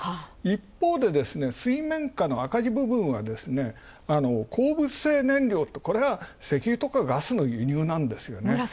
一方で水面下の赤字部分は、鉱物性燃料、これは石油とかガスの輸入なんですよね。